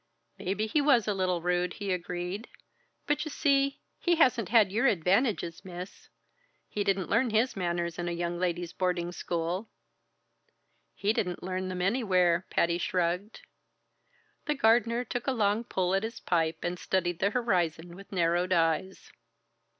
"Maybe he was a little rude," he agreed. "But you see, he hasn't had your advantages, Miss. He didn't learn his manners in a young ladies' boarding school." "He didn't learn them anywhere," Patty shrugged. The gardener took a long pull at his pipe and studied the horizon with narrowed eyes.